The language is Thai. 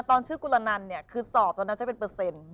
ตอนชื่อกุลนันเนี่ยคือสอบตอนนั้นจะเป็นเปอร์เซ็นต์